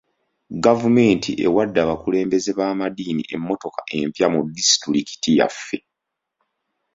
Gavumenti ewadde abakulembeze b'amaddiini emmotoka empya mu disitulikiti yaffe .